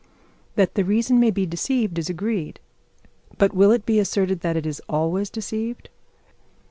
That the reason may be deceived is agreed. But will it be asserted that it is always deceived?